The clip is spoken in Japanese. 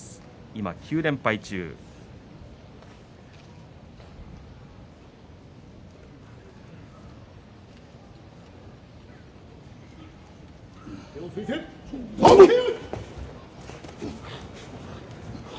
今、９連敗中です。